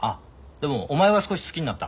でもお前は少し好きになった。